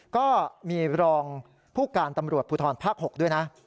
ก็มีรองผู้การตำรวจภูทรภาค๖ด้วยนะ